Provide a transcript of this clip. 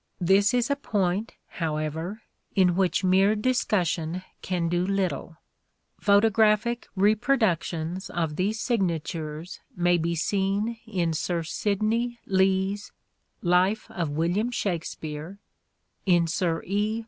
This is a point, however, in which mere discussion can do little. Photograph'c reproduc tions of these signatures may be seen in Sir Sidney Lee's " Life of William Shakespeare "; in Sir E.